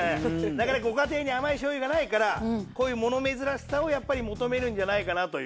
なかなかご家庭に甘いしょうゆがないからこういう物珍しさをやっぱり求めるんじゃないかなという。